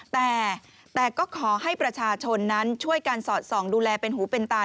แต่ก็ขอให้ประชาชนนั้นช่วยกันสอดส่องดูแลเป็นหูเป็นตา